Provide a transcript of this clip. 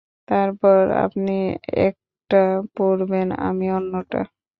তারপর আপনি একটা পড়বেন আমি অন্যটা।